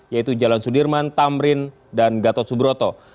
yaitu jalan sudirman tamrin dan gatot subroto